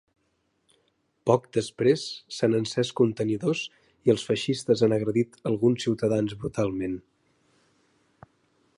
Poc després s’han encès contenidors i els feixistes han agredit alguns ciutadans brutalment.